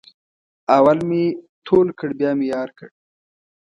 اول مې تول کړ بیا مې یار کړ.